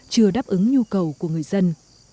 chưa đáp ứng nhu cầu của người dân